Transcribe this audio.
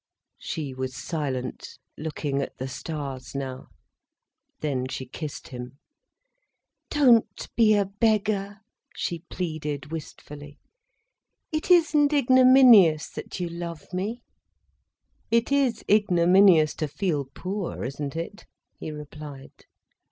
She was silent, looking at the stars now. Then she kissed him. "Don't be a beggar," she pleaded, wistfully. "It isn't ignominious that you love me." "It is ignominious to feel poor, isn't it?" he replied.